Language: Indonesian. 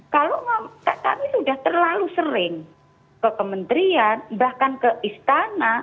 kalau kami sudah terlalu sering ke kementerian bahkan ke istana